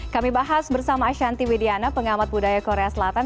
kami bahas bersama ashanti widiana pengamat budaya korea selatan